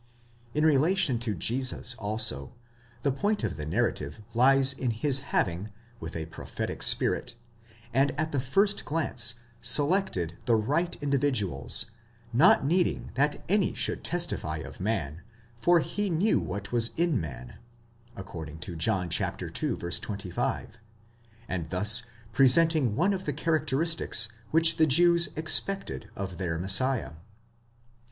In relation to Jesus also, the point of the narrative lies in his having, with a prophetic spirit, and at the first glance, selected the right individuals, not needing that any should testify of man, for he knew what was in man, according to John ii. 25, and thus presenting one of the charac teristics which the Jews expected in their Messiah.